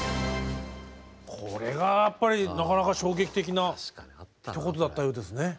これがやっぱりなかなか衝撃的なひと言だったようですね。